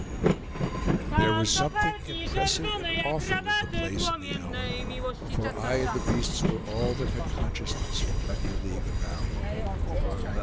There was something impressive and awful in the place and the hour; for I and the beasts were all that had consciousness for many a league around.